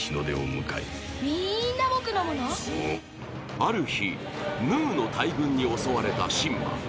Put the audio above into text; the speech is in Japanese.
ある日、ヌーの大群に襲われたシンバ。